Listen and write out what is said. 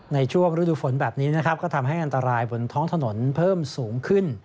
ในช่วงฤดูฝนแบบนี้นะครับก็ทำให้อันตรายบนท้องถนนเพิ่มสูงขึ้น